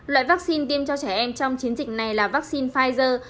loại vaccine tiêm cho trẻ em trong chiến dịch này là vaccine pfizer